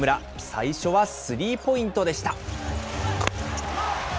最初はスリーポイントでした。